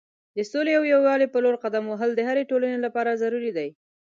د سولې او یووالي په لور قدم وهل د هرې ټولنې لپاره ضروری دی.